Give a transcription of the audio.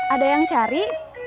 ada yang cari